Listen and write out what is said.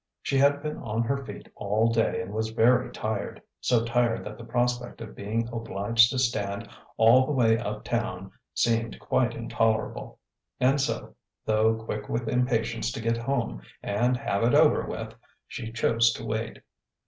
She had been on her feet all day and was very tired, so tired that the prospect of being obliged to stand all the way uptown seemed quite intolerable. And so, though quick with impatience to get home and "have it over with," she chose to wait.